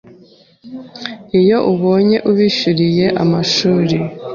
iyo ubonye ubishyuriye amashuri,